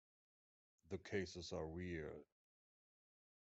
The cases are real.